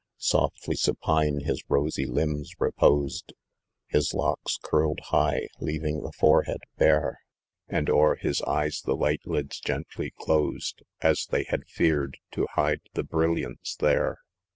Softly rapine his rosy limbs reposed, His locks curled high leaving the forehead bare, And o'er his eyes the light lids gently closed, As they had feared to hide the brilliance there.